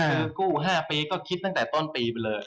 คือกู้๕ปีก็คิดตั้งแต่ต้นปีไปเลย